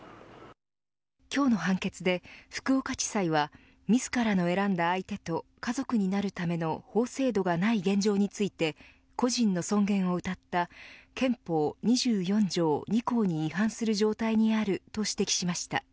今日の判決で福岡地裁は自らの選んだ相手と家族になるための法制度がない現状について個人の尊厳をうたった憲法２４条２項に違反する状態にあると指摘しました。